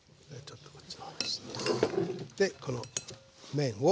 でこの麺を。